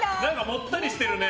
もったりしてるね。